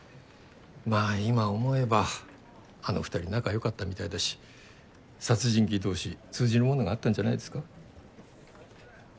まぁ今思えばあの２人仲良かったみたいだし殺人鬼同士通じるものがあったんじゃないですか？